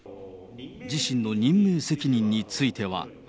自身の任命責任については。